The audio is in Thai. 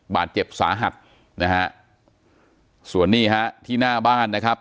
บาดเจ็บสาหัสนะฮะส่วนนี้ฮะที่หน้าบ้านนะครับ